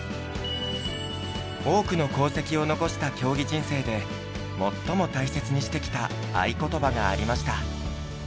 多くの功績を残した競技人生で最も大切にしてきた愛ことばがありました。